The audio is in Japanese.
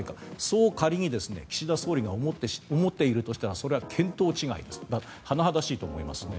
そう仮に岸田総理が思っているとしたらそれは見当違い甚だしいと思いますね。